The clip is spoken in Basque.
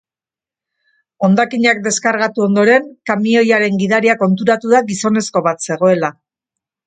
Hondakinak deskargatu ondoren, kamioiaren gidaria konturatu da gizonezko bat zegoela.